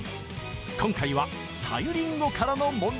今回はさゆりんごからの問題